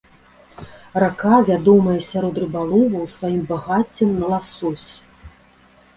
Рака вядомая сярод рыбаловаў сваім багаццем на ласось.